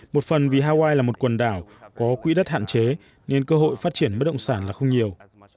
một phần vì hawaii là một quần đảo có quỹ đất hạn chế nên cơ hội phát triển bất động sản là không nhiều